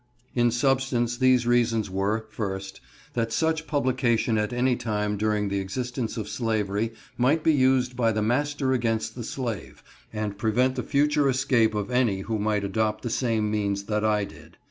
In substance these reasons were, first, that such publication at any time during the existence of slavery might be used by the master against the slave, and prevent the future escape of any who might adopt the same means that I did.